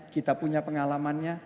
kita punya pengalamannya